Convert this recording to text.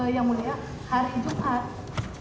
yang mulia hari jumat